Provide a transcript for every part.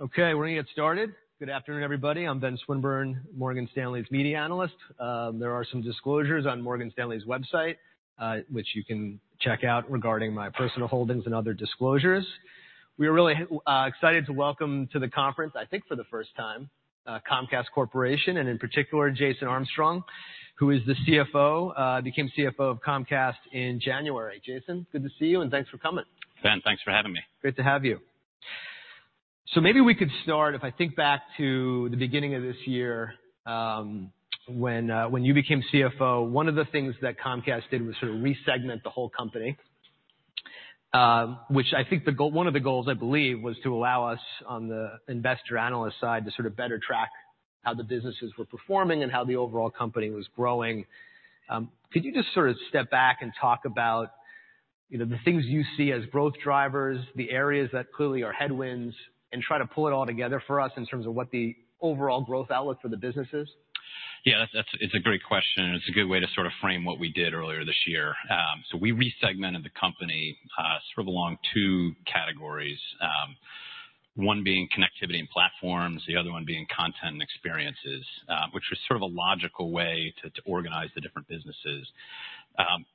Okay, we're gonna get started. Good afternoon, everybody. I'm Ben Swinburne, Morgan Stanley's Media Analyst. There are some disclosures on Morgan Stanley's website, which you can check out regarding my personal holdings and other disclosures. We are really excited to welcome to the conference, I think for the first time, Comcast Corporation, and in particular, Jason Armstrong, who is the CFO, became CFO of Comcast in January. Jason, good to see you, and thanks for coming. Ben, thanks for having me. Great to have you. So maybe we could start, if I think back to the beginning of this year, when you became CFO, one of the things that Comcast did was sort of re-segment the whole company, which I think one of the goals, I believe, was to allow us on the investor analyst side to sort of better track how the businesses were performing and how the overall company was growing. Could you just sort of step back and talk about, you know, the things you see as growth drivers, the areas that clearly are headwinds, and try to pull it all together for us in terms of what the overall growth outlook for the business is? Yeah, that's -- it's a great question, and it's a good way to sort of frame what we did earlier this year. So we resegmented the company, sort of along two categories. One being Connectivity & Platforms, the other one being Content & Experiences, which was sort of a logical way to organize the different businesses.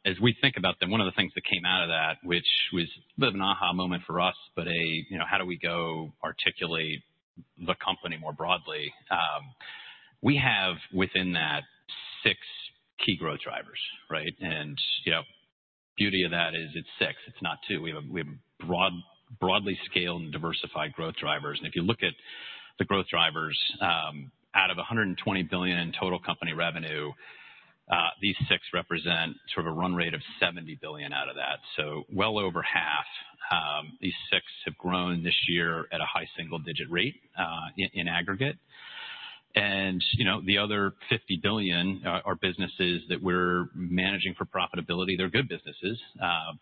As we think about them, one of the things that came out of that, which was bit of an aha moment for us, but, you know, how do we go articulate the company more broadly? We have within that, six key growth drivers, right? And, you know, beauty of that is it's six, it's not two. We have broadly scaled and diversified growth drivers. If you look at the growth drivers, out of $120 billion in total company revenue, these six represent sort of a run rate of $70 billion out of that. So well over half. These six have grown this year at a high single-digit rate, in aggregate. And, you know, the other $50 billion are businesses that we're managing for profitability. They're good businesses,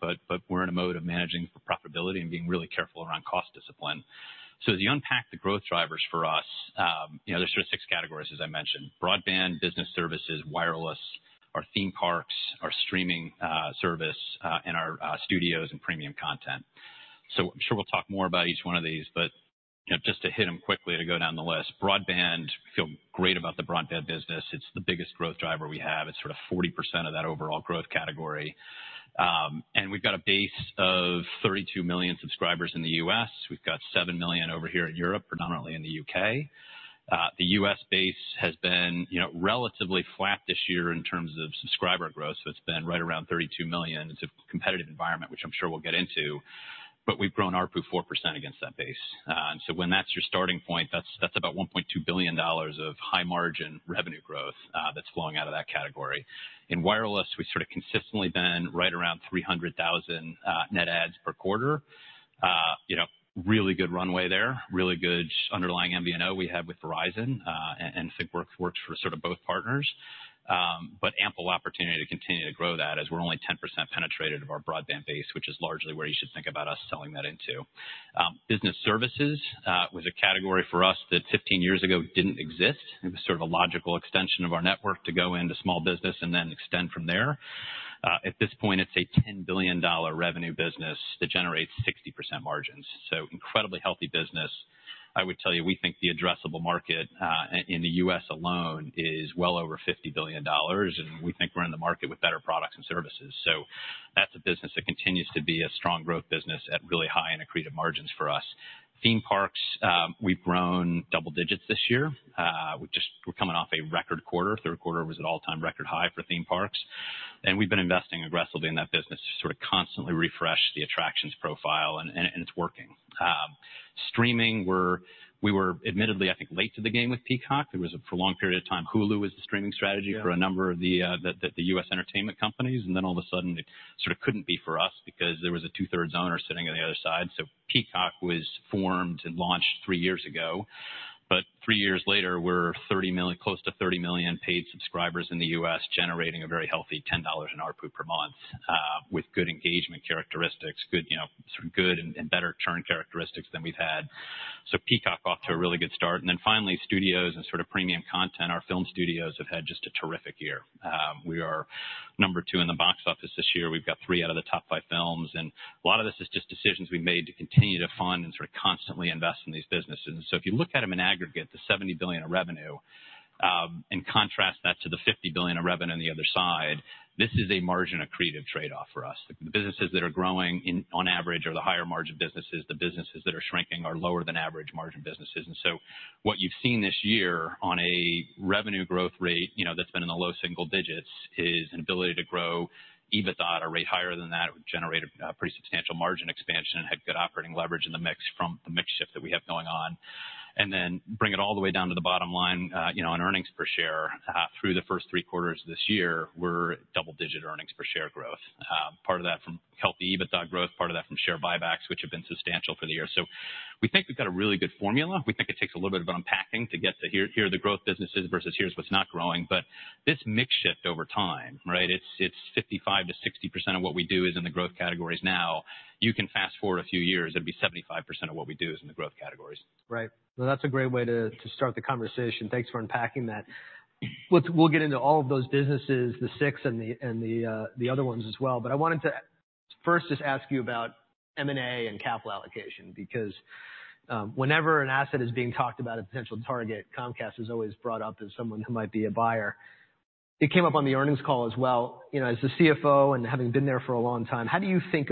but we're in a mode of managing for profitability and being really careful around cost discipline. So as you unpack the growth drivers for us, you know, there's sort of six categories, as I mentioned: broadband, business services, wireless, our theme parks, our streaming service, and our studios and premium content. So I'm sure we'll talk more about each one of these, but, you know, just to hit them quickly, to go down the list. Broadband, feel great about the broadband business. It's the biggest growth driver we have. It's sort of 40% of that overall growth category. And we've got a base of 32 million subscribers in the U.S. We've got 7 million over here in Europe, predominantly in the U.K. The U.S. base has been, you know, relatively flat this year in terms of subscriber growth, so it's been right around 32 million. It's a competitive environment, which I'm sure we'll get into, but we've grown ARPU 4% against that base. And so when that's your starting point, that's, that's about $1.2 billion of high-margin revenue growth, that's flowing out of that category. In wireless, we've sort of consistently been right around 300,000 net adds per quarter. You know, really good runway there, really good underlying MVNO we have with Verizon, and it works for sort of both partners. But ample opportunity to continue to grow that, as we're only 10% penetrated of our broadband base, which is largely where you should think about us selling that into. Business services was a category for us that 15 years ago didn't exist. It was sort of a logical extension of our network to go into small business and then extend from there. At this point, it's a $10 billion revenue business that generates 60% margins, so incredibly healthy business. I would tell you, we think the addressable market in the U.S. alone is well over $50 billion, and we think we're in the market with better products and services. So that's a business that continues to be a strong growth business at really high and accretive margins for us. Theme parks, we've grown double digits this year. We just - we're coming off a record quarter. Third quarter was an all-time record high for theme parks, and we've been investing aggressively in that business to sort of constantly refresh the attractions profile, and it's working. Streaming, we were admittedly, I think, late to the game with Peacock. There was a... For a long period of time, Hulu was the streaming strategy- Yeah. for a number of the U.S. entertainment companies, and then all of a sudden, it sort of couldn't be for us because there was a two-thirds owner sitting on the other side. So Peacock was formed and launched three years ago, but three years later, we're 30 million—close to 30 million paid subscribers in the U.S., generating a very healthy $10 in ARPU per month, with good engagement characteristics, good, you know, sort of good and, and better churn characteristics than we've had. So Peacock, off to a really good start. And then finally, studios and sort of premium content. Our film studios have had just a terrific year. We are number two in the box office this year. We've got three out of the top five films, and a lot of this is just decisions we've made to continue to fund and sort of constantly invest in these businesses. So if you look at them in aggregate, the $70 billion of revenue, and contrast that to the $50 billion of revenue on the other side, this is a margin accretive trade-off for us. The businesses that are growing in, on average, are the higher-margin businesses. The businesses that are shrinking are lower than average margin businesses. And so what you've seen this year on a revenue growth rate, you know, that's been in the low single digits, is an ability to grow EBITDA, a rate higher than that. It would generate a pretty substantial margin expansion and had good operating leverage in the mix from the mix shift that we have going on. Then bring it all the way down to the bottom line, you know, on earnings per share, through the first three quarters of this year, we're double-digit earnings per share growth. Part of that from healthy EBITDA growth, part of that from share buybacks, which have been substantial for the year. So we think we've got a really good formula. We think it takes a little bit of unpacking to get to here, here are the growth businesses versus here's what's not growing. But this mix shift over time, right, it's, it's 55%-60% of what we do is in the growth categories now. You can fast-forward a few years, it'd be 75% of what we do is in the growth categories. Right. Well, that's a great way to, to start the conversation. Thanks for unpacking that. We'll, we'll get into all of those businesses, the six and the, and the other ones as well. But I wanted to first just ask you about M&A and capital allocation, because whenever an asset is being talked about a potential target, Comcast is always brought up as someone who might be a buyer. It came up on the earnings call as well. You know, as the CFO and having been there for a long time, how do you think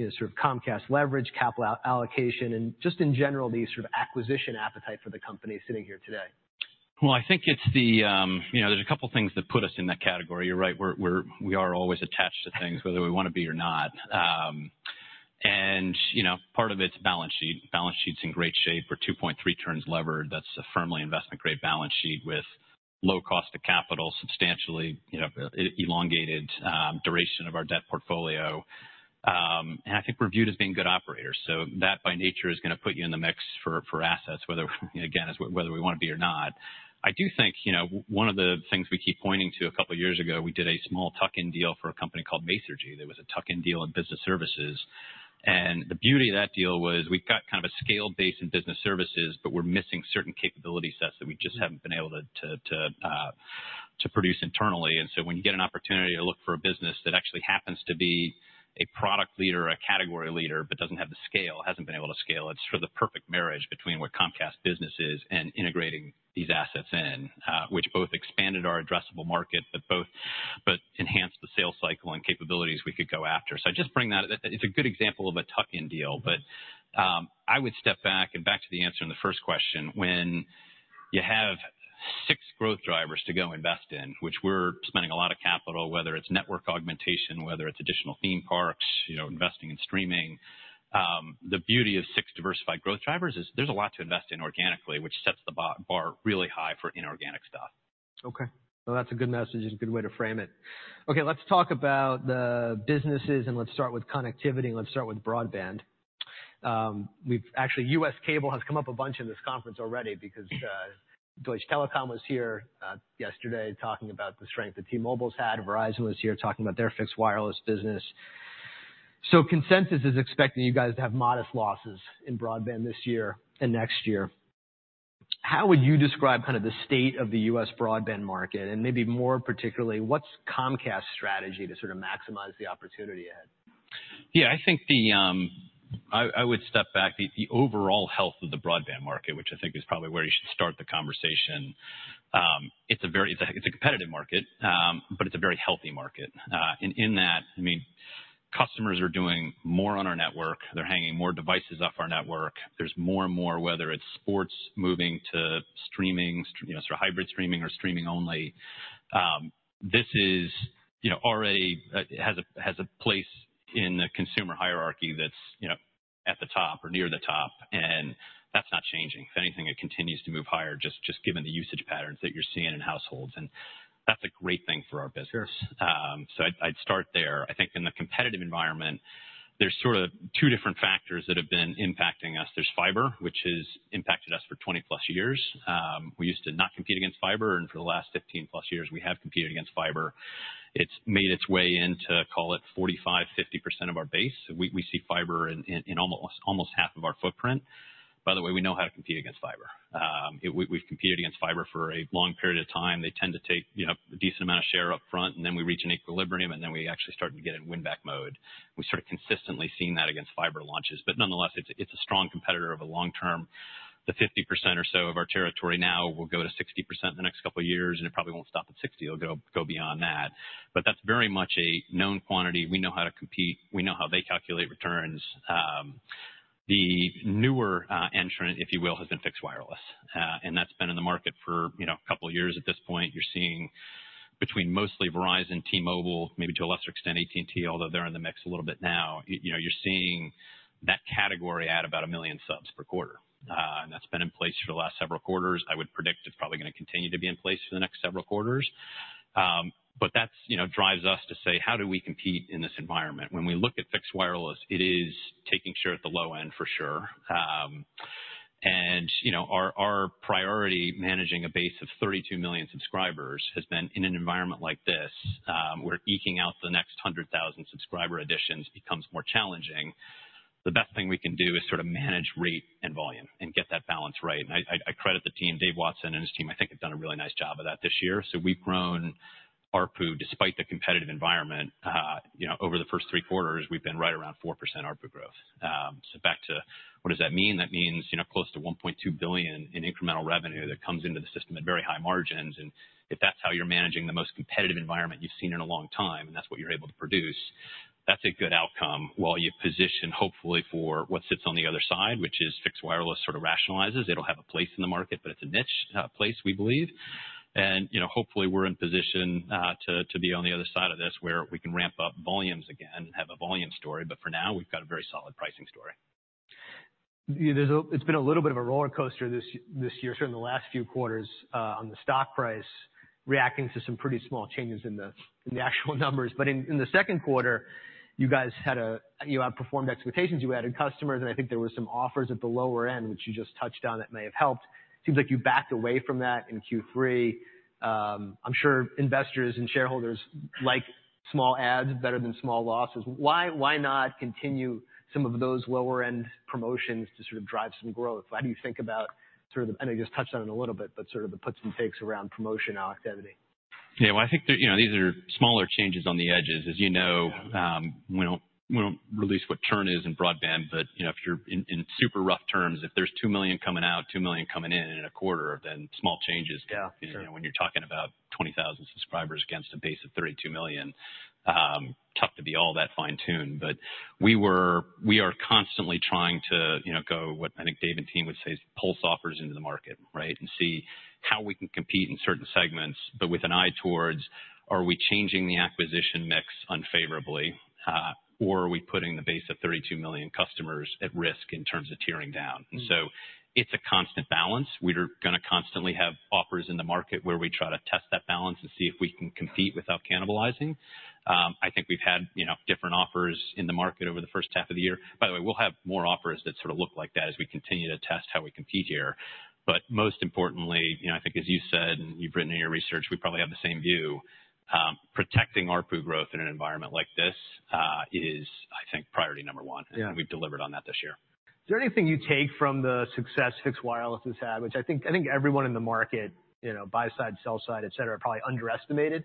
about, you know, sort of Comcast leverage, capital allocation, and just in general, the sort of acquisition appetite for the company sitting here today? Well, I think it's the, You know, there's a couple of things that put us in that category. You're right, we're always attached to things whether we want to be or not. And, you know, part of it's balance sheet. Balance sheet's in great shape. We're 2.3 turns levered. That's a firmly investment-grade balance sheet with low cost of capital, substantially, you know, elongated duration of our debt portfolio. And I think we're viewed as being good operators, so that, by nature, is going to put you in the mix for assets, whether, again, or whether we want to be or not. I do think, you know, one of the things we keep pointing to, a couple of years ago, we did a small tuck-in deal for a company called Masergy. That was a tuck-in deal in business services. The beauty of that deal was we've got kind of a scale base in business services, but we're missing certain capability sets that we just haven't been able to produce internally. So when you get an opportunity to look for a business that actually happens to be a product leader or a category leader, but doesn't have the scale, hasn't been able to scale, it's sort of the perfect marriage between what Comcast Business is and integrating these assets in, which both expanded our addressable market, but both enhanced the sales cycle and capabilities we could go after. So I just bring that up. It's a good example of a tuck-in deal, but I would step back to the answer in the first question. When you have six growth drivers to go invest in, which we're spending a lot of capital, whether it's network augmentation, whether it's additional theme parks, you know, investing in streaming, the beauty of six diversified growth drivers is there's a lot to invest in organically, which sets the bar really high for inorganic stuff. Okay. Well, that's a good message and a good way to frame it. Okay, let's talk about the businesses, and let's start with Connectivity, and let's start with broadband. Actually, U.S. cable has come up a bunch in this conference already because, Deutsche Telekom was here, yesterday, talking about the strength that T-Mobile's had. Verizon was here talking about their fixed wireless business. So consensus is expecting you guys to have modest losses in broadband this year and next year. How would you describe kind of the state of the U.S. broadband market? And maybe more particularly, what's Comcast's strategy to sort of maximize the opportunity ahead? Yeah, I think the... I would step back. The overall health of the broadband market, which I think is probably where you should start the conversation, it's a very, it's a competitive market, but it's a very healthy market. And in that, I mean, customers are doing more on our network. They're hanging more devices off our network. There's more and more, whether it's sports, moving to streaming, you know, sort of hybrid streaming or streaming only. This is, you know, already has a place in the consumer hierarchy that's, you know, at the top or near the top, and that's not changing. If anything, it continues to move higher, just given the usage patterns that you're seeing in households, and that's a great thing for our business. Sure. I'd start there. I think in the competitive environment, there's sort of two different factors that have been impacting us. There's fiber, which has impacted us for 20+ years. We used to not compete against fiber, and for the last 15+ years, we have competed against fiber. It's made its way into, call it, 45%-50% of our base. We see fiber in almost half of our footprint. By the way, we know how to compete against fiber. We've competed against fiber for a long period of time. They tend to take, you know, a decent amount of share up front, and then we reach an equilibrium, and then we actually start to get in win-back mode. We sort of consistently seen that against fiber launches, but nonetheless, it's a strong competitor of a long-term. The 50% or so of our territory now will go to 60% in the next couple of years, and it probably won't stop at 60%. It'll go, go beyond that. But that's very much a known quantity. We know how to compete. We know how they calculate returns. The newer entrant, if you will, has been fixed wireless, and that's been in the market for, you know, a couple of years at this point. You're seeing between mostly Verizon, T-Mobile, maybe to a lesser extent, AT&T, although they're in the mix a little bit now. You know, you're seeing that category add about 1 million subs per quarter, and that's been in place for the last several quarters. I would predict it's probably going to continue to be in place for the next several quarters. But that's, you know, drives us to say: How do we compete in this environment? When we look at fixed wireless, it is taking share at the low end, for sure. And, you know, our priority, managing a base of 32 million subscribers, has been in an environment like this, where eking out the next 100,000 subscriber additions becomes more challenging. The best thing we can do is sort of manage rate and volume and get that balance right. I credit the team. Dave Watson and his team, I think, have done a really nice job of that this year. So we've grown ARPU despite the competitive environment. You know, over the first three quarters, we've been right around 4% ARPU growth. So back to what does that mean? That means, you know, close to $1.2 billion in incremental revenue that comes into the system at very high margins. And if that's how you're managing the most competitive environment you've seen in a long time, and that's what you're able to produce, that's a good outcome while you position, hopefully, for what sits on the other side, which is fixed wireless, sort of rationalizes. It'll have a place in the market, but it's a niche place, we believe. And, you know, hopefully, we're in position to be on the other side of this, where we can ramp up volumes again and have a volume story. But for now, we've got a very solid pricing story. Yeah, it's been a little bit of a rollercoaster this year, certainly the last few quarters, on the stock price, reacting to some pretty small changes in the actual numbers. But in the second quarter, you guys outperformed expectations. You added customers, and I think there were some offers at the lower end, which you just touched on, that may have helped. Seems like you backed away from that in Q3. I'm sure investors and shareholders like small adds better than small losses. Why, why not continue some of those lower-end promotions to sort of drive some growth? How do you think about sort of the... I know you just touched on it a little bit, but sort of the puts and takes around promotion activity? Yeah, well, I think that, you know, these are smaller changes on the edges. As you know, we don't release what churn is in broadband, but, you know, if you're in super rough terms, if there's 2 million coming out, 2 million coming in in a quarter, then small changes- Yeah, sure. When you're talking about 20,000 subscribers against a base of 32 million, tough to be all that fine-tuned. But we are constantly trying to, you know, go, what I think Dave and team would say is pulse offers into the market, right? And see how we can compete in certain segments, but with an eye towards, are we changing the acquisition mix unfavorably, or are we putting the base of 32 million customers at risk in terms of tiering down? Mm-hmm. It's a constant balance. We're going to constantly have offers in the market where we try to test that balance and see if we can compete without cannibalizing. I think we've had, you know, different offers in the market over the first half of the year. By the way, we'll have more offers that sort of look like that as we continue to test how we compete here. Most importantly, you know, I think, as you said, and you've written in your research, we probably have the same view. Protecting ARPU growth in an environment like this is, I think, priority number one. Yeah. We've delivered on that this year. Is there anything you take from the success fixed wireless has had, which I think, I think everyone in the market, you know, buy side, sell side, et cetera, probably underestimated,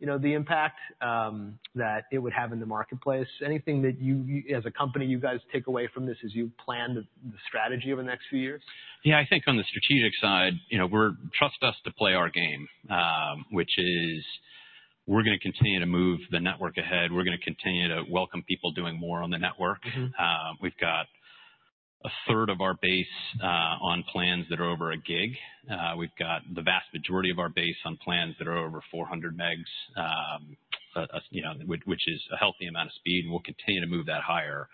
you know, the impact that it would have in the marketplace? Anything that you, as a company, you guys take away from this as you plan the strategy over the next few years? Yeah, I think on the strategic side, you know, trust us to play our game, which is, we're going to continue to move the network ahead. We're going to continue to welcome people doing more on the network. Mm-hmm. We've got a third of our base on plans that are over a gig. We've got the vast majority of our base on plans that are over 400 Mbps, you know, which is a healthy amount of speed, and we'll continue to move that higher.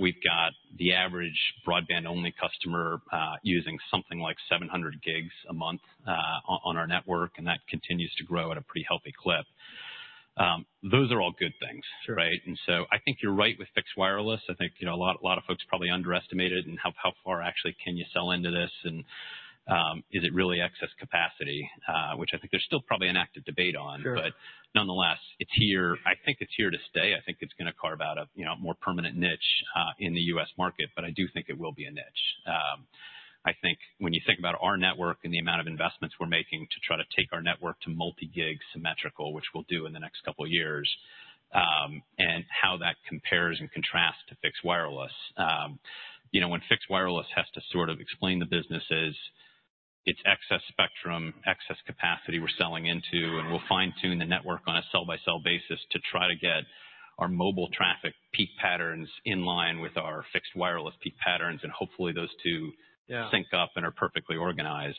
We've got the average broadband-only customer using something like 700 GB a month on our network, and that continues to grow at a pretty healthy clip. Those are all good things. Sure. Right? And so I think you're right with fixed wireless. I think, you know, a lot, a lot of folks probably underestimated and how, how far actually can you sell into this? And, is it really excess capacity? Which I think there's still probably an active debate on. Sure. But nonetheless, it's here. I think it's here to stay. I think it's going to carve out a, you know, more permanent niche in the U.S. market, but I do think it will be a niche. I think when you think about our network and the amount of investments we're making to try to take our network to multi-gig symmetrical, which we'll do in the next couple of years, and how that compares and contrasts to fixed wireless. You know, when fixed wireless has to sort of explain the businesses, it's excess spectrum, excess capacity we're selling into, and we'll fine-tune the network on a cell-by-cell basis to try to get our mobile traffic peak patterns in line with our fixed wireless peak patterns, and hopefully, those two- Yeah. sync up and are perfectly organized.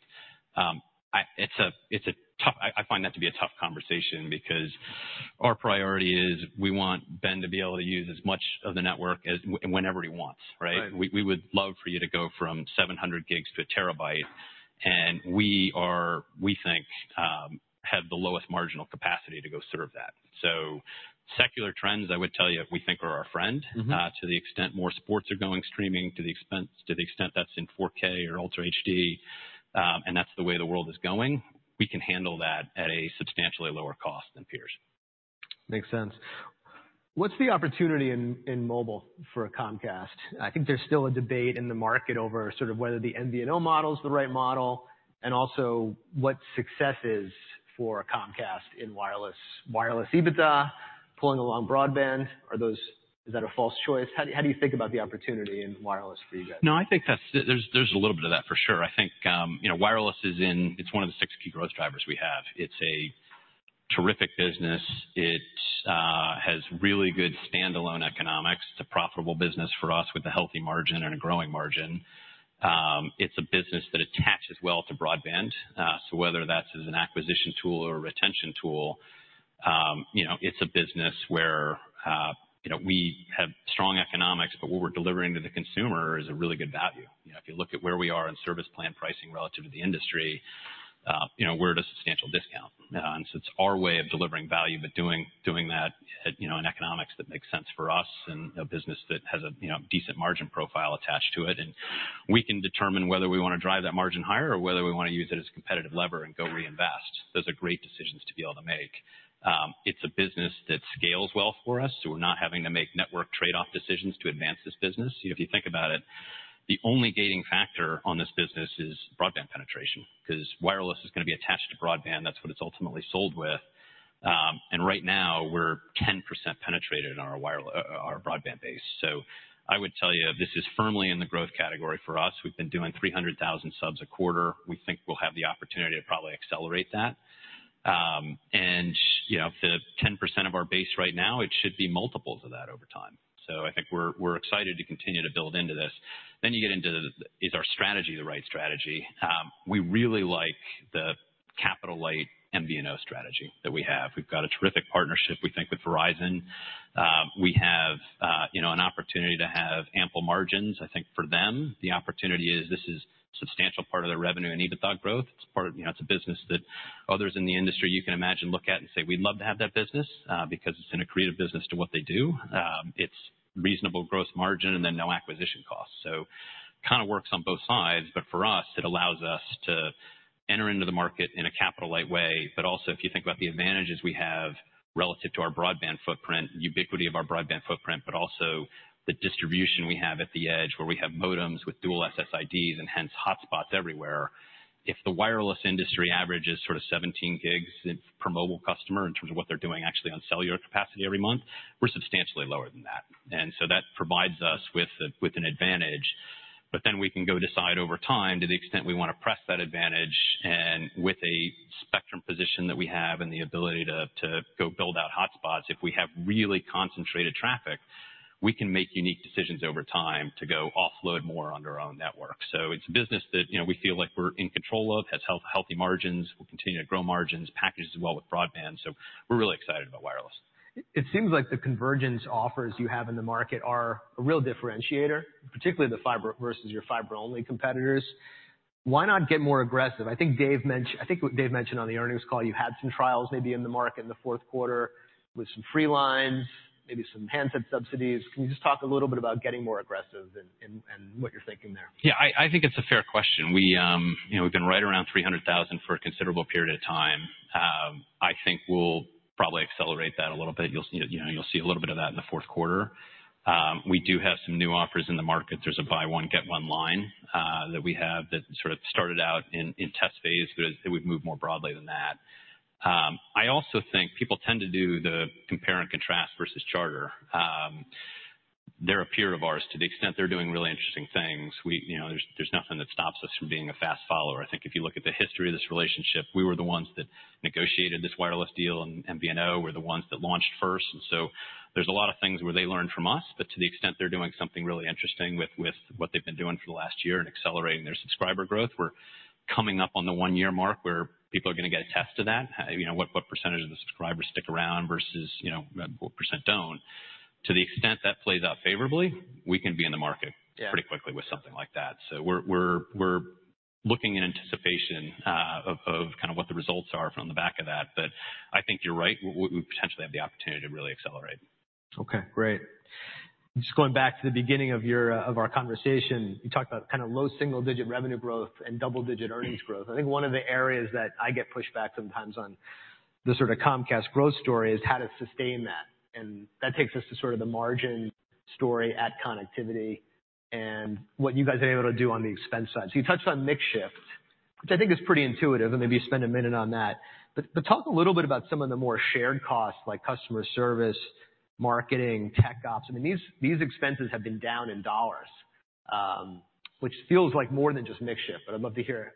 It's a tough conversation because our priority is we want Ben to be able to use as much of the network as whenever he wants, right? Right. We would love for you to go from 700 GB to a terabyte, and we are, we think, have the lowest marginal capacity to go serve that. So secular trends, I would tell you, we think are our friend. Mm-hmm. To the extent more sports are going streaming, to the extent that's in 4K or Ultra HD, and that's the way the world is going, we can handle that at a substantially lower cost than peers. Makes sense. What's the opportunity in mobile for Comcast? I think there's still a debate in the market over sort of whether the MVNO model is the right model, and also what success is for Comcast in wireless. Wireless EBITDA, pulling along broadband, are those, is that a false choice? How do you think about the opportunity in wireless for you guys? No, I think that's. There's a little bit of that, for sure. I think, you know, wireless is. It's one of the six key growth drivers we have. It's a terrific business. It has really good standalone economics. It's a profitable business for us with a healthy margin and a growing margin. It's a business that attaches well to broadband, so whether that's as an acquisition tool or a retention tool, you know, it's a business where, you know, we have strong economics, but what we're delivering to the consumer is a really good value. You know, if you look at where we are in service plan pricing relative to the industry, you know, we're at a substantial discount. And so it's our way of delivering value, but doing that at, you know, in economics that makes sense for us and a business that has a, you know, decent margin profile attached to it. And we can determine whether we want to drive that margin higher or whether we want to use it as competitive lever and go reinvest. Those are great decisions to be able to make. It's a business that scales well for us, so we're not having to make network trade-off decisions to advance this business. You know, if you think about it, the only gating factor on this business is broadband penetration, because wireless is going to be attached to broadband. That's what it's ultimately sold with. And right now, we're 10% penetrated on our wireless, our broadband base. So I would tell you, this is firmly in the growth category for us. We've been doing 300,000 subs a quarter. We think we'll have the opportunity to probably accelerate that. And, you know, if the 10% of our base right now, it should be multiples of that over time. So I think we're, we're excited to continue to build into this. Then you get into, is our strategy the right strategy? We really like the capital-light MVNO strategy that we have. We've got a terrific partnership, we think, with Verizon. We have, you know, an opportunity to have ample margins. I think for them, the opportunity is this is a substantial part of their revenue and EBITDA growth. It's part of, you know, it's a business that others in the industry, you can imagine, look at and say, "We'd love to have that business," because it's going to create a business to what they do. It's reasonable gross margin and then no acquisition costs. So, kind of works on both sides, but for us, it allows us to enter into the market in a capital-light way. But also, if you think about the advantages we have relative to our broadband footprint, ubiquity of our broadband footprint, but also the distribution we have at the edge, where we have modems with dual SSIDs and hence hotspots everywhere. If the wireless industry average is sort of 17 gigs per mobile customer in terms of what they're doing actually on cellular capacity every month, we're substantially lower than that. And so that provides us with an advantage. But then we can go decide over time, to the extent we want to press that advantage, and with a spectrum position that we have and the ability to go build out hotspots, if we have really concentrated traffic, we can make unique decisions over time to go offload more on our own network. So it's a business that, you know, we feel like we're in control of, has healthy margins. We'll continue to grow margins, packages as well with broadband. So we're really excited about wireless. It seems like the convergence offers you have in the market are a real differentiator, particularly the fiber versus your fiber-only competitors. Why not get more aggressive? I think what Dave mentioned on the earnings call, you had some trials maybe in the market in the fourth quarter with some free lines, maybe some handset subsidies. Can you just talk a little bit about getting more aggressive and what you're thinking there? Yeah, I think it's a fair question. We, you know, we've been right around 300,000 for a considerable period of time. I think we'll probably accelerate that a little bit. You'll see, you know, you'll see a little bit of that in the fourth quarter. We do have some new offers in the market. There's a buy one, get one line that we have that sort of started out in test phase, but it would move more broadly than that. I also think people tend to do the compare and contrast versus Charter. They're a peer of ours to the extent they're doing really interesting things. We, you know, there's nothing that stops us from being a fast follower. I think if you look at the history of this relationship, we were the ones that negotiated this wireless deal, and MVNO were the ones that launched first. So there's a lot of things where they learned from us, but to the extent they're doing something really interesting with what they've been doing for the last year and accelerating their subscriber growth, we're coming up on the 1-year mark where people are going to get a test of that. You know, what percentage of the subscribers stick around versus, you know, what percent don't. To the extent that plays out favorably, we can be in the market- Yeah. pretty quickly with something like that. So we're looking in anticipation of kind of what the results are from the back of that. But I think you're right. We potentially have the opportunity to really accelerate. Okay, great. Just going back to the beginning of your of our conversation, you talked about kind of low single-digit revenue growth and double-digit earnings growth. I think one of the areas that I get pushback sometimes on the sort of Comcast growth story is how to sustain that. And that takes us to sort of the margin story at Connectivity and what you guys are able to do on the expense side. So you touched on mix shift, which I think is pretty intuitive, and maybe you spend a minute on that. But talk a little bit about some of the more shared costs, like customer service, marketing, tech ops. I mean, these, these expenses have been down in dollars, which feels like more than just mix shift, but I'd love to hear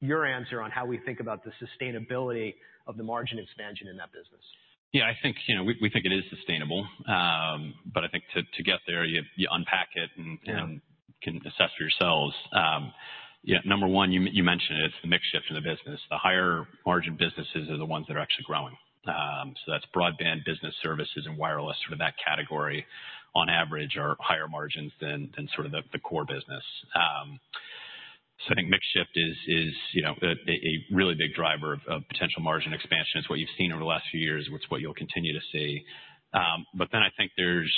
your answer on how we think about the sustainability of the margin expansion in that business. Yeah, I think, you know, we think it is sustainable. But I think to get there, you unpack it and- Yeah.... and can assess for yourselves. Yeah, number one, you mentioned it, it's the mix shift in the business. The higher margin businesses are the ones that are actually growing. So that's broadband business services and wireless. Sort of that category, on average, are higher margins than sort of the core business. So I think mix shift is, you know, a really big driver of potential margin expansion. It's what you've seen over the last few years. It's what you'll continue to see. But then I think there's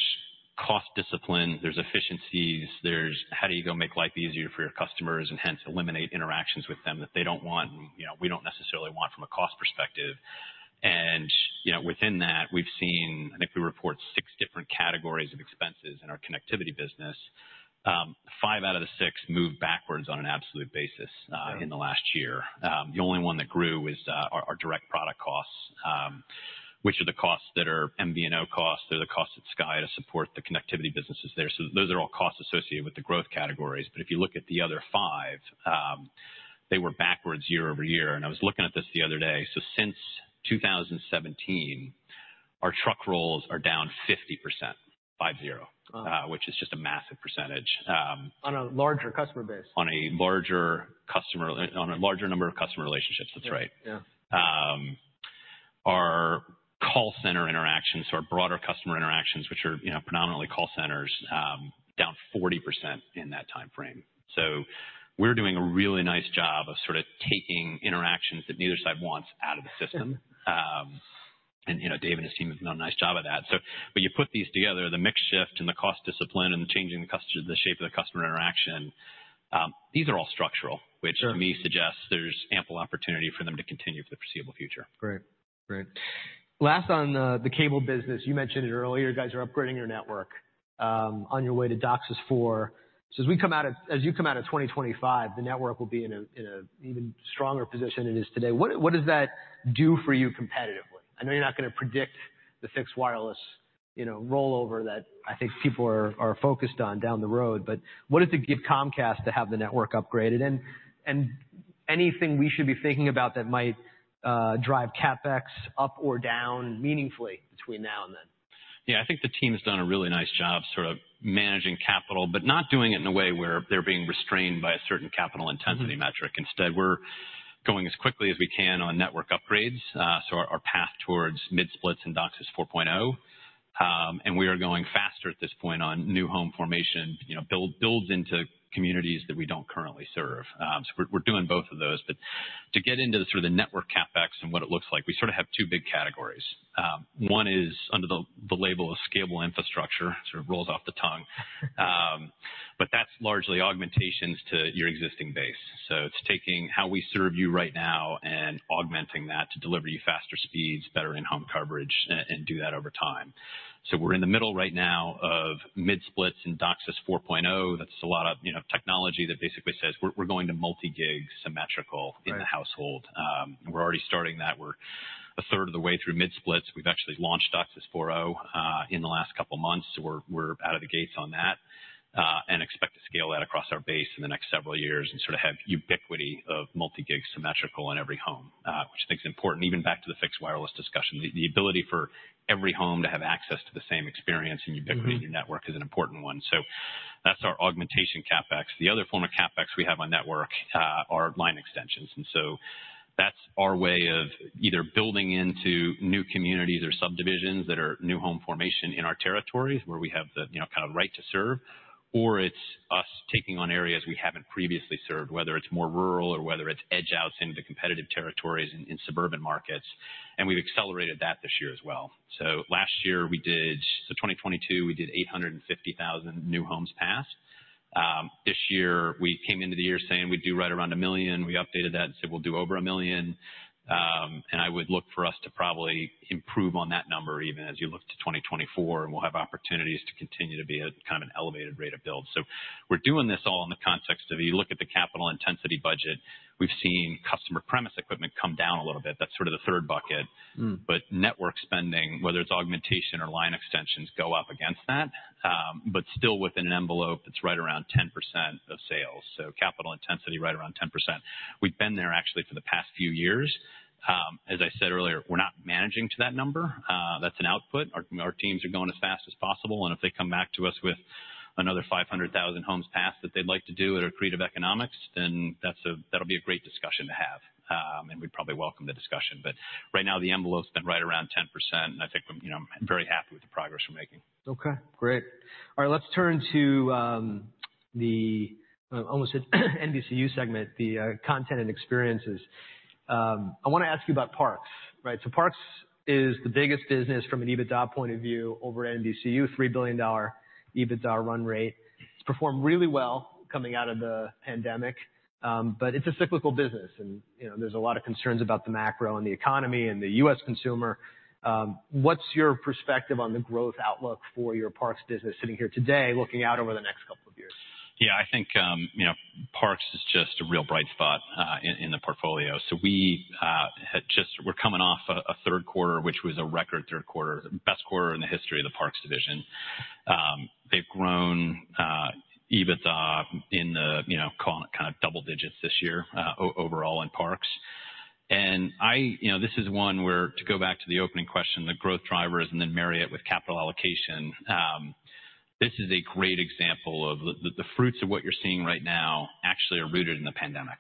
cost discipline, there's efficiencies, there's how do you go make life easier for your customers and hence eliminate interactions with them that they don't want, and, you know, we don't necessarily want from a cost perspective. And, you know, within that, we've seen... I think we report six different categories of expenses in our Connectivity business. Five out of the six moved backwards on an absolute basis, Yeah. in the last year. The only one that grew is our direct product costs, which are the costs that are MVNO costs. They're the costs at Sky to support the Connectivity businesses there. So those are all costs associated with the growth categories. But if you look at the other five, they were backwards year-over-year, and I was looking at this the other day. So since 2017, our truck rolls are down 50%, five zero- Wow! which is just a massive percentage, On a larger customer base. On a larger number of customer relationships, that's right. Yeah, yeah. Our call center interactions or broader customer interactions, which are, you know, predominantly call centers, down 40% in that timeframe. So we're doing a really nice job of sort of taking interactions that neither side wants out of the system. Yeah. You know, Dave and his team have done a nice job of that. So, but you put these together, the mix shift and the cost discipline and changing the shape of the customer interaction, these are all structural- Sure. which to me suggests there's ample opportunity for them to continue for the foreseeable future. Great. Great. Last on the cable business, you mentioned it earlier, you guys are upgrading your network on your way to DOCSIS 4.0. So as we come out of, as you come out of 2025, the network will be in a even stronger position than it is today. What does that do for you competitively? I know you're not going to predict the fixed wireless, you know, rollover that I think people are focused on down the road, but what does it give Comcast to have the network upgraded? And anything we should be thinking about that might drive CapEx up or down meaningfully between now and then? Yeah. I think the team has done a really nice job sort of managing capital, but not doing it in a way where they're being restrained by a certain capital intensity metric. Mm-hmm. Instead, we're going as quickly as we can on network upgrades, so our path towards mid-splits and DOCSIS 4.0. And we are going faster at this point on new home formation, you know, build into communities that we don't currently serve. So we're doing both of those. To get into the sort of the network CapEx and what it looks like, we sort of have two big categories. One is under the label of scalable infrastructure, sort of rolls off the tongue. But that's largely augmentations to your existing base. So it's taking how we serve you right now and augmenting that to deliver you faster speeds, better in-home coverage, and do that over time. So we're in the middle right now of mid-splits and DOCSIS 4.0. That's a lot of, you know, technology that basically says we're going to multi-gig symmetrical- Right. in the household. And we're already starting that. We're a third of the way through mid-splits. We've actually launched DOCSIS 4.0 in the last couple of months, so we're out of the gates on that, and expect to scale that across our base in the next several years and sort of have ubiquity of multi-gig symmetrical in every home, which I think is important, even back to the fixed wireless discussion. The ability for every home to have access to the same experience and ubiquity- Mm-hmm. In your network is an important one. So that's our augmentation CapEx. The other form of CapEx we have on network are line extensions, and so that's our way of either building into new communities or subdivisions that are new home formation in our territories, where we have the, you know, kind of right to serve, or it's us taking on areas we haven't previously served, whether it's more rural or whether it's edge outs into the competitive territories in suburban markets, and we've accelerated that this year as well. So last year, so 2022, we did 850,000 new homes passed. This year, we came into the year saying we'd do right around a million. We updated that and said we'll do over a million. And I would look for us to probably improve on that number even as you look to 2024, and we'll have opportunities to continue to be at kind of an elevated rate of build. So we're doing this all in the context of, you look at the capital intensity budget, we've seen customer premise equipment come down a little bit. That's sort of the third bucket. Mm. But network spending, whether it's augmentation or line extensions, go up against that, but still within an envelope that's right around 10% of sales. So capital intensity, right around 10%. We've been there actually for the past few years. As I said earlier, we're not managing to that number. That's an output. Our teams are going as fast as possible, and if they come back to us with another 500,000 homes passed that they'd like to do at our creative economics, then that'll be a great discussion to have. And we'd probably welcome the discussion. But right now, the envelope's been right around 10%, and I think, you know, I'm very happy with the progress we're making. Okay, great. All right, let's turn to the, I almost said NBCU segment, the Content & Experiences. I want to ask you about Parks, right? So Parks is the biggest business from an EBITDA point of view over at NBCU, $3 billion EBITDA run rate. It's performed really well coming out of the pandemic, but it's a cyclical business, and, you know, there's a lot of concerns about the macro and the economy and the U.S. consumer. What's your perspective on the growth outlook for your Parks business, sitting here today, looking out over the next couple of years? Yeah, I think, you know, Parks is just a real bright spot in the portfolio. So we had just--we're coming off a third quarter, which was a record third quarter, best quarter in the history of the Parks division. They've grown EBITDA in the, you know, call it kind of double digits this year, overall in Parks. And I... You know, this is one where, to go back to the opening question, the growth drivers, and then marry it with capital allocation. This is a great example of the fruits of what you're seeing right now actually are rooted in the pandemic,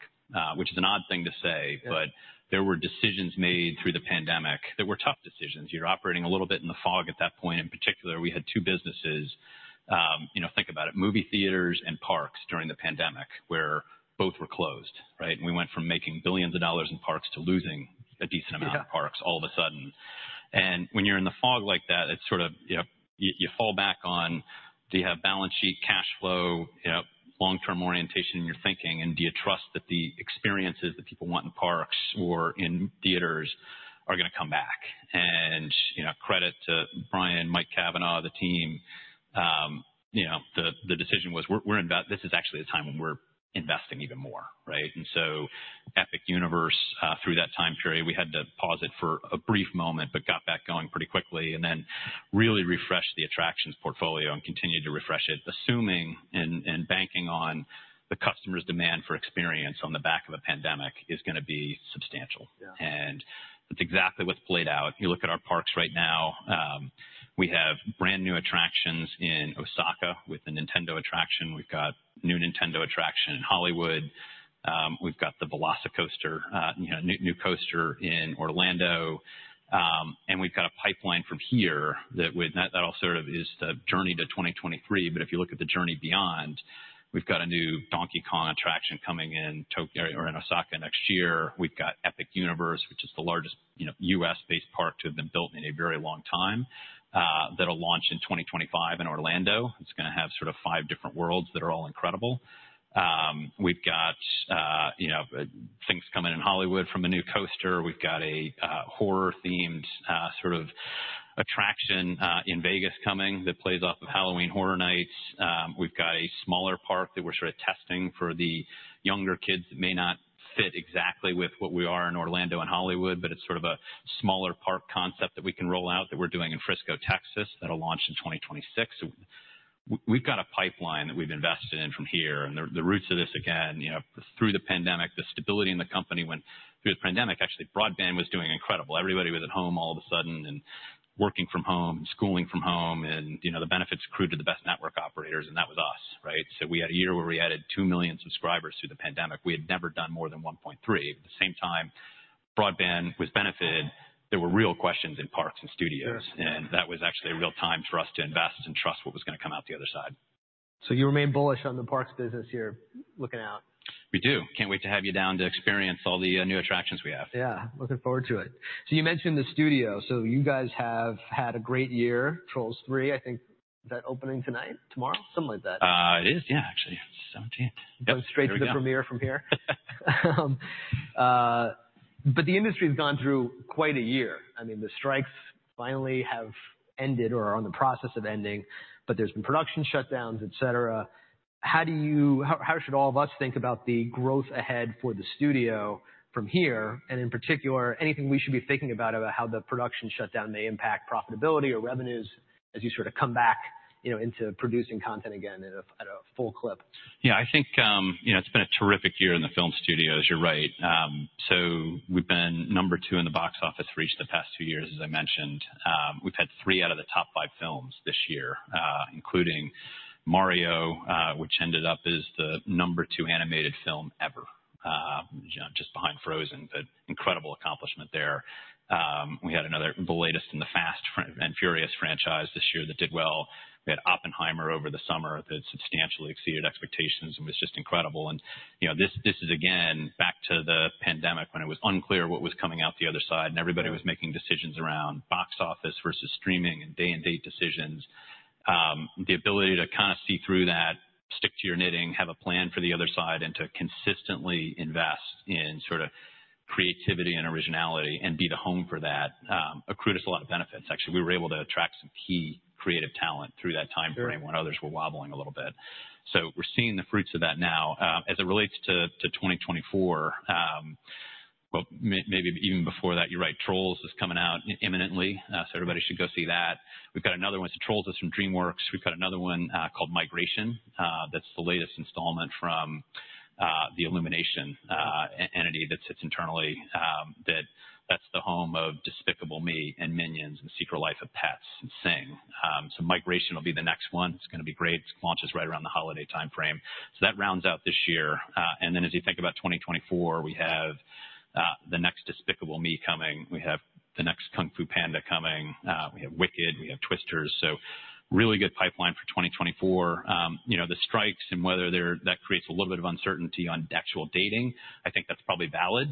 which is an odd thing to say. Yeah. But there were decisions made through the pandemic that were tough decisions. You're operating a little bit in the fog at that point. In particular, we had two businesses, you know, think about it, movie theaters and parks during the pandemic, where both were closed, right? And we went from making billions of dollars in parks to losing a decent amount- Yeah. of parks all of a sudden. And when you're in the fog like that, it's sort of, you know, you fall back on, do you have balance sheet, cash flow, you know, long-term orientation in your thinking? And do you trust that the experiences that people want in parks or in theaters are gonna come back? And, you know, credit to Brian, Mike Cavanagh, the team, you know, the decision was, we're investing—this is actually a time when we're investing even more, right? And so Epic Universe, through that time period, we had to pause it for a brief moment, but got back going pretty quickly, and then really refreshed the attractions portfolio and continued to refresh it, assuming and banking on the customer's demand for experience on the back of a pandemic is gonna be substantial. Yeah. That's exactly what's played out. If you look at our parks right now, we have brand-new attractions in Osaka with the Nintendo attraction. We've got new Nintendo attraction in Hollywood. We've got the VelociCoaster, you know, new coaster in Orlando. And we've got a pipeline from here that would that all sort of is the journey to 2023, but if you look at the journey beyond, we've got a new Donkey Kong attraction coming in Tokyo - or in Osaka next year. We've got Epic Universe, which is the largest, you know, U.S.-based park to have been built in a very long time, that'll launch in 2025 in Orlando. It's gonna have sort of five different worlds that are all incredible. We've got, you know, things coming in Hollywood from a new coaster. We've got a horror-themed sort of attraction in Las Vegas coming, that plays off of Halloween Horror Nights. We've got a smaller park that we're sort of testing for the younger kids, that may not fit exactly with what we are in Orlando and Hollywood, but it's sort of a smaller park concept that we can roll out, that we're doing in Frisco, Texas, that'll launch in 2026. We've got a pipeline that we've invested in from here, and the roots of this, again, you know, through the pandemic, the stability in the company when through the pandemic, actually, broadband was doing incredible. Everybody was at home all of a sudden and working from home and schooling from home, and, you know, the benefits accrued to the best network operators, and that was us, right? So we had a year where we added 2 million subscribers through the pandemic. We had never done more than 1.3. At the same time broadband was benefited. There were real questions in parks and studios. Sure. That was actually a real time for us to invest and trust what was going to come out the other side. So you remain bullish on the parks business here, looking out? We do. Can't wait to have you down to experience all the new attractions we have. Yeah, looking forward to it. So you mentioned the studio. So you guys have had a great year. Trolls 3, I think, is that opening tonight? Tomorrow? Something like that. It is, yeah, actually, 17th. Going straight to the premiere from here. But the industry has gone through quite a year. I mean, the strikes finally have ended or are in the process of ending, but there's been production shutdowns, et cetera. How should all of us think about the growth ahead for the studio from here, and in particular, anything we should be thinking about, about how the production shutdown may impact profitability or revenues as you sort of come back, you know, into producing content again at a full clip? Yeah, I think, you know, it's been a terrific year in the film studios. You're right. So we've been number two in the box office for each of the past two years. As I mentioned, we've had three out of the top five films this year, including Mario, which ended up as the number two animated film ever, you know, just behind Frozen. But incredible accomplishment there. We had another, the latest in the Fast & Furious franchise this year that did well. We had Oppenheimer over the summer that substantially exceeded expectations and was just incredible. And, you know, this, this is, again, back to the pandemic, when it was unclear what was coming out the other side, and everybody was making decisions around box office versus streaming and day and date decisions. The ability to kind of see through that, stick to your knitting, have a plan for the other side, and to consistently invest in sort of creativity and originality and be the home for that, accrued us a lot of benefits. Actually, we were able to attract some key creative talent through that time frame- Sure. -when others were wobbling a little bit. So we're seeing the fruits of that now. As it relates to 2024, well, maybe even before that, you're right, Trolls is coming out imminently, so everybody should go see that. We've got another one. So Trolls is from DreamWorks. We've got another one, called Migration. That's the latest installment from the Illumination entity that sits internally, that that's the home of Despicable Me and Minions and Secret Life of Pets and Sing. So Migration will be the next one. It's going to be great. It launches right around the holiday timeframe. So that rounds out this year. And then as you think about 2024, we have the next Despicable Me coming. We have the next Kung Fu Panda coming. We have Wicked, we have Twisters. So really good pipeline for 2024. You know, the strikes and whether they're that creates a little bit of uncertainty on actual dating, I think that's probably valid.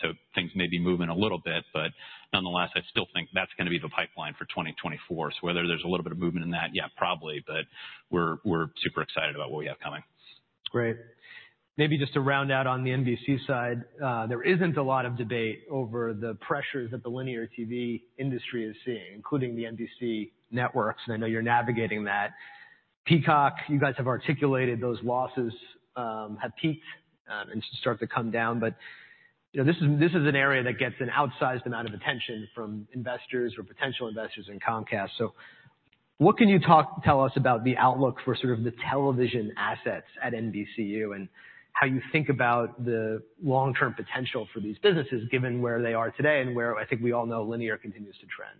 So things may be moving a little bit, but nonetheless, I still think that's going to be the pipeline for 2024. So whether there's a little bit of movement in that, yeah, probably, but we're super excited about what we have coming. Great. Maybe just to round out on the NBC side, there isn't a lot of debate over the pressures that the linear TV industry is seeing, including the NBC networks, and I know you're navigating that. Peacock, you guys have articulated those losses have peaked, and should start to come down. But, you know, this is an area that gets an outsized amount of attention from investors or potential investors in Comcast. So what can you tell us about the outlook for sort of the television assets at NBCU, and how you think about the long-term potential for these businesses, given where they are today and where I think we all know linear continues to trend?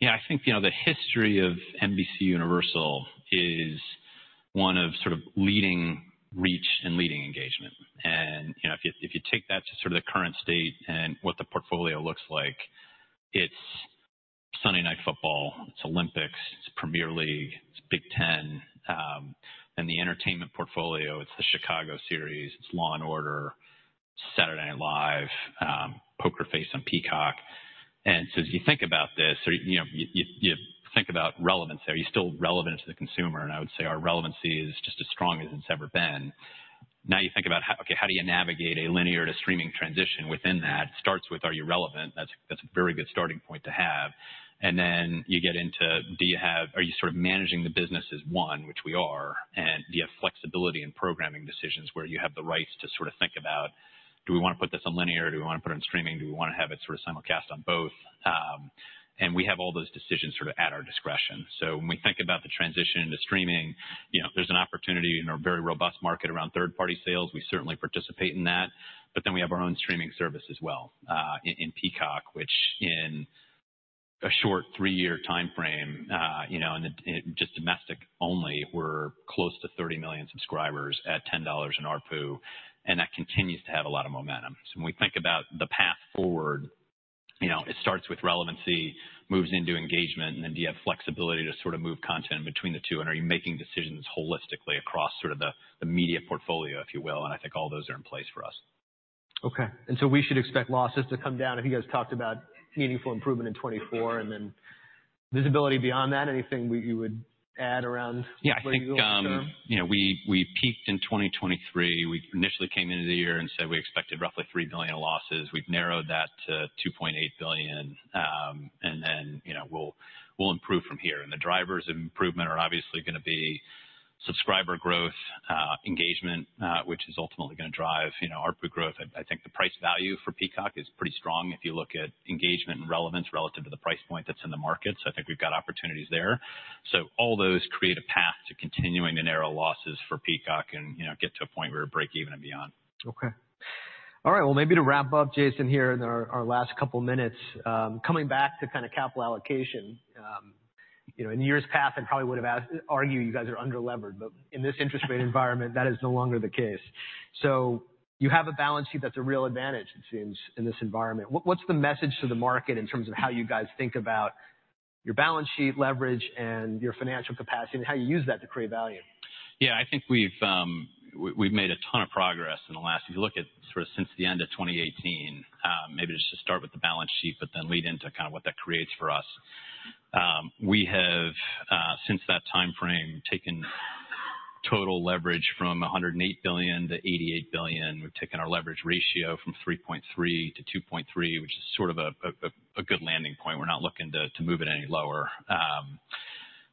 Yeah, I think, you know, the history of NBCUniversal is one of sort of leading reach and leading engagement. And, you know, if you, if you take that to sort of the current state and what the portfolio looks like, it's Sunday Night Football, it's Olympics, it's Premier League, it's Big Ten, and the entertainment portfolio, it's the Chicago series, it's Law & Order, Saturday Night Live, Poker Face on Peacock. And so as you think about this or, you know, you, you, you think about relevance there, are you still relevant to the consumer? And I would say our relevancy is just as strong as it's ever been. Now, you think about how... Okay, how do you navigate a linear to streaming transition within that? Starts with, are you relevant? That's, that's a very good starting point to have. And then you get into, do you have, are you sort of managing the business as one, which we are, and do you have flexibility in programming decisions where you have the rights to sort of think about, do we want to put this on linear? Do we want to put it on streaming? Do we want to have it sort of simulcast on both? And we have all those decisions sort of at our discretion. So when we think about the transition into streaming, you know, there's an opportunity in a very robust market around third-party sales. We certainly participate in that, but then we have our own streaming service as well, in Peacock, which in a short three-year timeframe, you know, just domestic only, we're close to 30 million subscribers at $10 in ARPU, and that continues to have a lot of momentum. So when we think about the path forward, you know, it starts with relevancy, moves into engagement, and then do you have flexibility to sort of move content between the two? And are you making decisions holistically across sort of the media portfolio, if you will? And I think all those are in place for us. Okay. And so we should expect losses to come down. I think you guys talked about meaningful improvement in 2024, and then visibility beyond that, anything you would add around? Yeah, I think, you know, we, we peaked in 2023. We initially came into the year and said we expected roughly $3 billion losses. We've narrowed that to $2.8 billion. And then, you know, we'll, we'll improve from here. And the drivers of improvement are obviously going to be subscriber growth, engagement, which is ultimately going to drive, you know, ARPU growth. I think the price value for Peacock is pretty strong if you look at engagement and relevance relative to the price point that's in the market. So I think we've got opportunities there. So all those create a path to continuing to narrow losses for Peacock and, you know, get to a point where we're breakeven and beyond. Okay. All right, well, maybe to wrap up, Jason, here in our last couple minutes, coming back to kind of capital allocation. You know, in years past, I probably would have argued you guys are under-levered, but in this interest rate environment, that is no longer the case. So you have a balance sheet that's a real advantage, it seems, in this environment. What's the message to the market in terms of how you guys think about your balance sheet leverage and your financial capacity, and how you use that to create value? Yeah, I think we've made a ton of progress in the last. If you look at sort of since the end of 2018, maybe just to start with the balance sheet, but then lead into kind of what that creates for us. We have, since that timeframe, taken total leverage from $108 billion to $88 billion. We've taken our leverage ratio from 3.3 to 2.3, which is sort of a good landing point. We're not looking to move it any lower.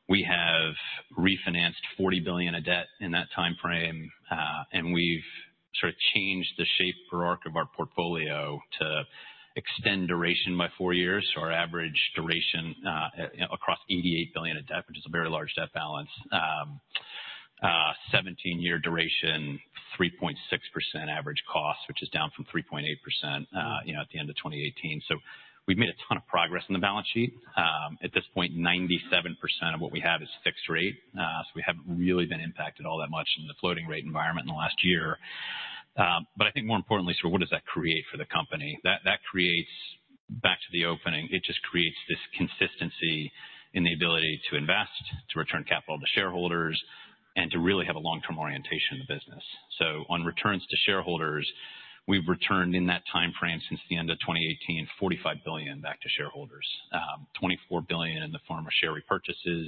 We have refinanced $40 billion of debt in that timeframe, and we've sort of changed the shape or arc of our portfolio to extend duration by four years. So our average duration across $88 billion of debt, which is a very large debt balance, 17-year duration, 3.6% average cost, which is down from 3.8%, you know, at the end of 2018. So we've made a ton of progress on the balance sheet. At this point, 97% of what we have is fixed rate. So we haven't really been impacted all that much in the floating rate environment in the last year. But I think more importantly, so what does that create for the company? That creates... Back to the opening, it just creates this consistency in the ability to invest, to return capital to shareholders, and to really have a long-term orientation in the business. So on returns to shareholders, we've returned in that timeframe since the end of 2018, $45 billion back to shareholders. Twenty-four billion in the form of share repurchases,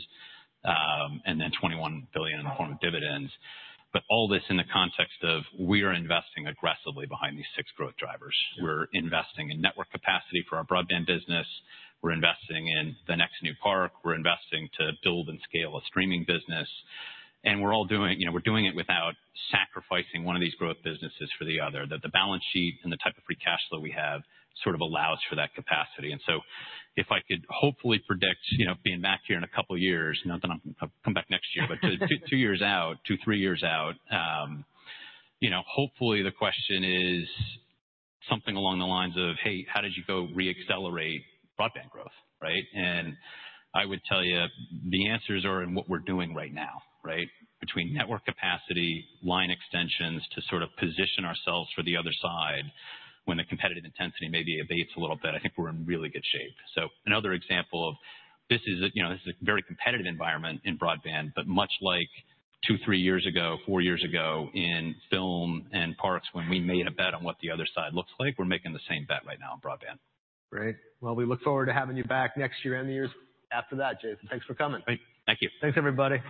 and then $21 billion in the form of dividends. But all this in the context of we are investing aggressively behind these six growth drivers. We're investing in network capacity for our broadband business, we're investing in the next new park, we're investing to build and scale a streaming business, and we're all doing it. You know, we're doing it without sacrificing one of these growth businesses for the other. That the balance sheet and the type of free cash flow we have sort of allows for that capacity. And so if I could hopefully predict, you know, being back here in a couple of years, not that I'm, I'll come back next year, but two years out, two, three years out, you know, hopefully, the question is something along the lines of, "Hey, how did you go reaccelerate broadband growth?" right? And I would tell you, the answers are in what we're doing right now, right? Between network capacity, line extensions, to sort of position ourselves for the other side when the competitive intensity maybe abates a little bit. I think we're in really good shape. So another example of this is, you know, this is a very competitive environment in broadband, but much like two, three years ago, four years ago in film and parks, when we made a bet on what the other side looks like, we're making the same bet right now in broadband. Great. Well, we look forward to having you back next year and the years after that, Jason. Thanks for coming. Great. Thank you. Thanks, everybody.